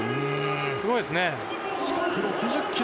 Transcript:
すごいですね。